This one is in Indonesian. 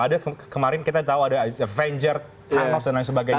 ada kemarin kita tahu ada avenger thanos dan lain sebagainya